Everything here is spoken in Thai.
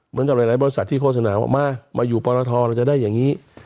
เหมือนกับหลายบริษัทที่โฆษณาว่ามาอยู่ปรทเราจะได้อย่างนี้